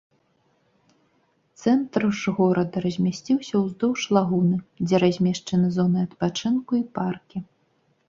Цэнтр ж горада размясціўся ўздоўж лагуны, дзе размешчаны зоны адпачынку і паркі.